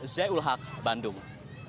zai ul haq bandung